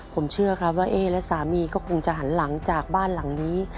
ผมเชื่อครับว่าเอ๊และสามีก็คงจะหันหลังจากบ้านหลังนี้